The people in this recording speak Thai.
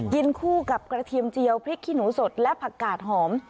คู่กับกระเทียมเจียวพริกขี้หนูสดและผักกาดหอม